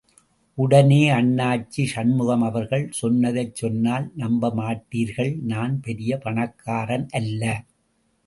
உடனே அண்ணாச்சி சண்முகம் அவர்கள் சொன்னதைச் சொன்னால் நம்ப மாட்டீர்கள், நான் பெரிய பணக்காரன் அல்ல.